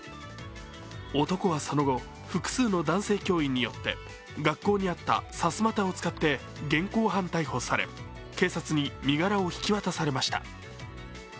男は、その後、複数の男性教員によって学校にあった、さすまたを使って現行犯逮捕され、警察に身柄を引き渡されました。